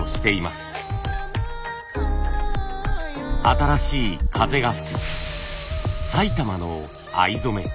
新しい風が吹く埼玉の藍染め。